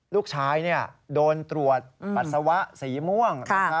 ลูกชายโดนตรวจปัสสาวะสีม่วง